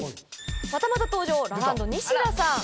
またまた登場「ラランド」ニシダさん。